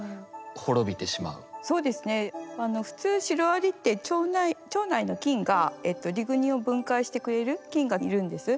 そうですね普通シロアリって腸内の菌がリグニンを分解してくれる菌がいるんです。